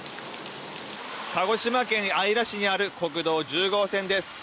鹿児島県姶良市にある国道１０号線です。